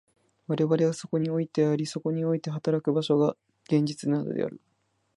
我々がそこにおいてあり、そこにおいて働く所が、現実なのである。